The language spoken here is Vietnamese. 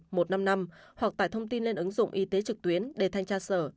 hoặc tải thông tin lên ứng dụng y tế trực tuyến để thanh tra sở